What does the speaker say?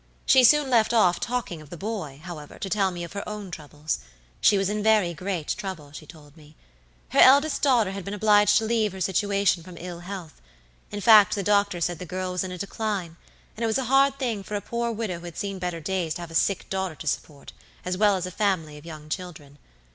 She soon left off talking of the boy, however, to tell me of her own troubles. She was in very great trouble, she told me. Her eldest daughter had been obliged to leave her situation from ill health; in fact, the doctor said the girl was in a decline; and it was a hard thing for a poor widow who had seen better days to have a sick daughter to support, as well as a family of young children.